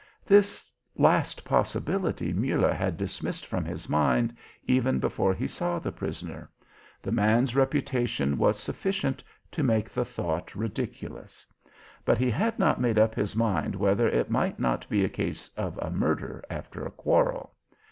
This last possibility Muller had dismissed from his mind, even before he saw the prisoner. The man's reputation was sufficient to make the thought ridiculous. But he had not made up his mind whether it might not be a case of a murder after a quarrel.